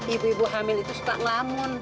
ibu ibu hamil itu suka ngalamun